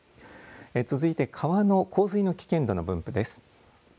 続いて川の洪水の危険度の分布です。